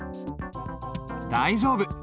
大丈夫。